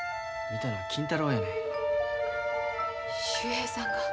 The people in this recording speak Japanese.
見たのは金太郎やねん。